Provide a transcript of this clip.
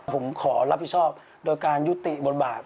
ผมขอรับผิดชอบโดยการยุติบทบาท